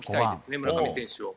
村上選手を。